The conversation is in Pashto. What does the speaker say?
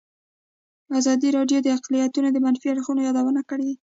ازادي راډیو د اقلیتونه د منفي اړخونو یادونه کړې.